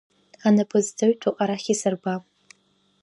Анапы зҵаҩтәу арахь исырба!